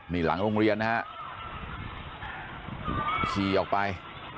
นี่หลังโรงเรียนนะฮะขี่ออกไป